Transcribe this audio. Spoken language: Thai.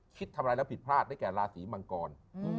คิดทำอะไรแล้วผิดพลาดได้แก่ราศีมังกร